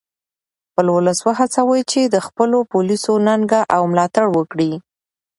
خپل ولس و هڅوئ چې د خپلو پولیسو ننګه او ملاتړ وکړي